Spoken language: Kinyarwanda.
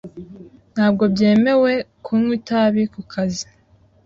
Ntabwo byemewe kunywa itabi ku kazi .